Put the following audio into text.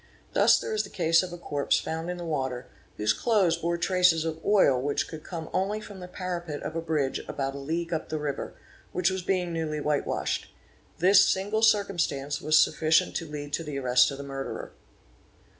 Thus there is the case of a corpse ene PSAP SENS AAO E NPE 1 5B Ras HRN isan ma nen eae _ found in the water, whose clothes bore traces of oil which could come only from the parapet of a bridge about a league up the river, which was being newly white washed. This single circumstance was sufficient to des d to the arrest of the murderer.